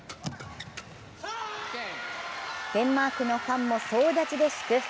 デンマークのファンも総立ちで祝福。